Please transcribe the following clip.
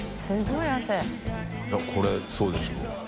いこれそうでしょ？